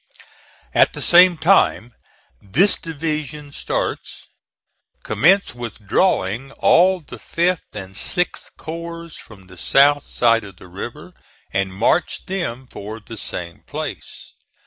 At the same time this division starts commence withdrawing all of the 5th and 6th corps from the south side of the river, and march them for the same place.